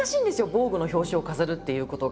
「ＶＯＧＵＥ」の表紙を飾るっていうことが。